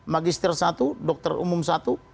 magister satu dokter umum satu